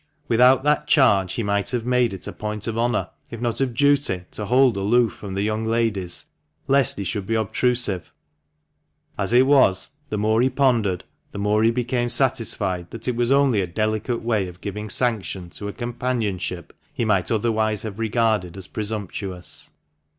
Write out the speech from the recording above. Without that charge he might have made it a point of honour, if not of duty, to hold aloof from the young ladies, lest he should be obtrusive ; as it was, the more he pondered, the more he became satisfied that it was only a delicate way of giving sanction to a companionship he might otherwise have regarded as presumptuous.